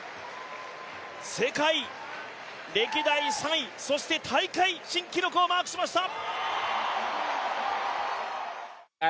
世界歴代３位そして大会新記録をマークしました！